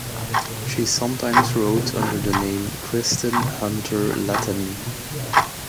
She sometimes wrote under the name Kristin Hunter Lattany.